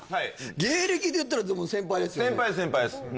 芸歴で言ったらでも先輩ですよね